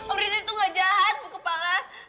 om rudy itu gak jahat buku kepala